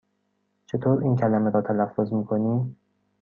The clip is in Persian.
چطور این کلمه را تلفظ می کنی؟